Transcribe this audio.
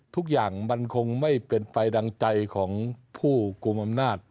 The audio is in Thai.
ทุกอย่างมันคงไม่เป็นไปดังใจของผู้กลุ่มอำนาจ